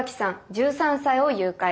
１３歳を誘拐。